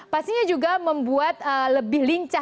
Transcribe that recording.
pastinya juga membuat lebih lincah